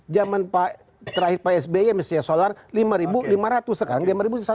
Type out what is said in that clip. zaman terakhir psby misalnya solar lima lima ratus sekarang lima satu ratus lima puluh